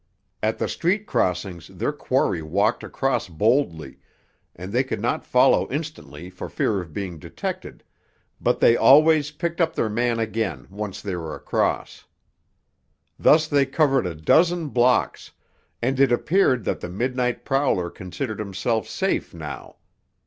At the street crossings their quarry walked across boldly, and they could not follow instantly for fear of being detected, but they always picked up their man again, once they were across. Thus they covered a dozen blocks, and it appeared that the midnight prowler considered himself safe now.